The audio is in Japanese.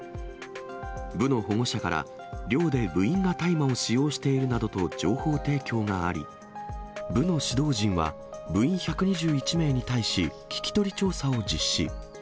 部の保護者から、寮で部員が大麻を使用しているなどと情報提供があり、部の指導陣は、部員１２１名に対し、聞き取り調査を実施。